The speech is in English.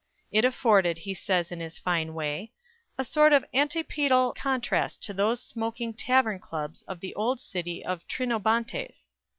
It afforded, he says in his fine way, "a sort of antipodeal contrast to these smoking tavern clubs of the old city of Trinobantes."